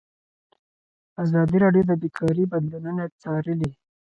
ازادي راډیو د بیکاري بدلونونه څارلي.